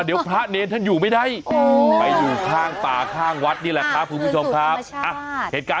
อื้มไม่มีในวัดไม่มีไม่เอา